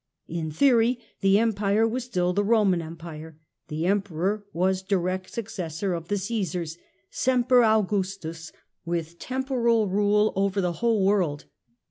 In theory the Empire was still the Roman Empire ; Theory of the Emperor was direct successor of the Caesars, " sem ^^^^j^^^^^^ per Augustus," with temporal rule over the whole world.